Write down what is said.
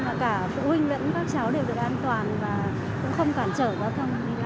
và cả phụ huynh lẫn các cháu đều được an toàn và cũng không cản trở giao thông